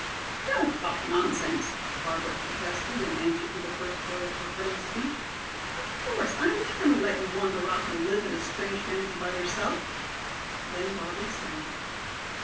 "Don't talk nonsense," Barbara protested, in answer to the first part of her friend's speech. "Of course, I am not going to let you wander off and live in a strange family by yourself." Then Barbara sighed.